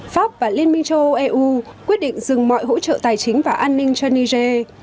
pháp và liên minh châu âu eu quyết định dừng mọi hỗ trợ tài chính và an ninh cho niger